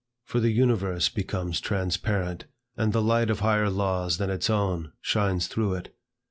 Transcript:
for the universe becomes transparent, and the light of higher laws than its own, shines through it.